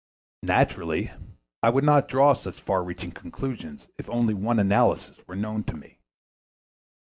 Naturally, I would not draw such far reaching conclusions if only one analysis were known to me.